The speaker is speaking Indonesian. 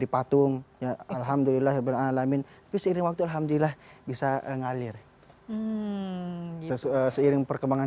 patung ya alhamdulillah beralamin fisik waktu alhamdulillah bisa ngalir seiring perkembangan